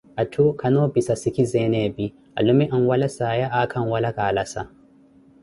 atthu kannoopissiwa sikizeene epi, alume anwala saaya, aakha anwala kaalasa.